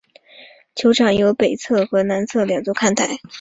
球场有北侧和南侧两座看台。